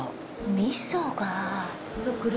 みそが。